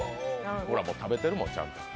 ほら、もう食べてるもん、ちゃんと。